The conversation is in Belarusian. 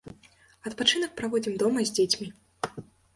Адпачынак праводзім дома з дзецьмі.